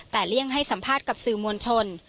แต่เลี่ยงให้สัมภาษณ์กับสื่อมวลชน